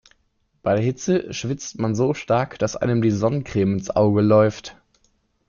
Bei der Hitze schwitzt man so stark, dass einem die Sonnencreme ins Auge läuft.